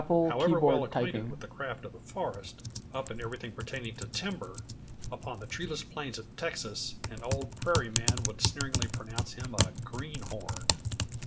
However well acquainted with the craft of the forest, up in everything pertaining to timber, upon the treeless plains of Texas, an old prairie man would sneeringly pronounce him a "greenhorn."